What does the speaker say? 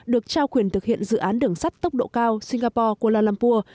được trao quyền thực hiện dự án đường sắt tốc độ cao singapore kuala lumpur